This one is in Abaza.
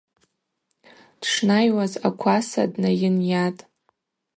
Дшнайуаз акваса днайынйатӏ.